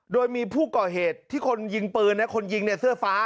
โดยมีผู้ก่อเหตุที่คนยิงปืนคนยิงเนี่ยเสื้อฟ้า